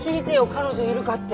彼女いるかって。